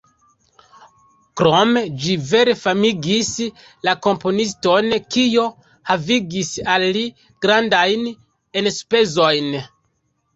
Krome ĝi vere famigis la komponiston, kio havigis al li grandajn enspezojn.